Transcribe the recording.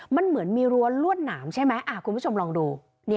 มันเหมือนมีรั้วลวดหนามใช่ไหมคุณผู้ชมลองดู